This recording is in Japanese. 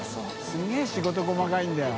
垢欧仕事細かいんだよ。